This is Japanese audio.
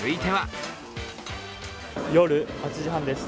夜８時半です。